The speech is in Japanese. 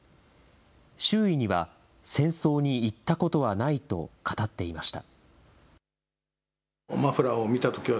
周囲には、戦争に行ったことはないと語っていました。